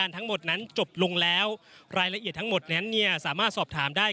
ทั้งหมดนั้นจบลงแล้วรายละเอียดทั้งหมดนั้นสามารถสอบถามได้